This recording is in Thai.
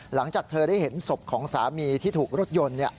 หลังจากเธอได้เห็นศพของสามีที่ถูกรถยนต์